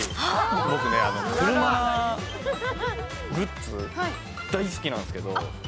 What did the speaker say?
僕ね、車グッズ、大好きなんですけど。